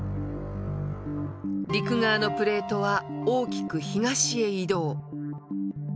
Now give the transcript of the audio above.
陸側のプレートは大きく東へ移動。